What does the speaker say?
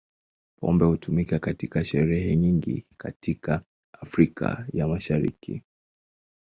Pombe hutumika katika sherehe nyingi katika Afrika ya Mashariki.